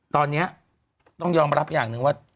ตอนนี้ต้องยอมรับอย่างหนึ่งว่า